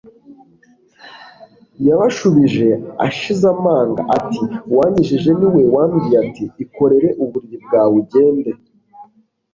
Yabashubije ashize amanga ati, “Uwankijije ni we wambwiye ati ‘Ikorere uburiri bwawe ugende.’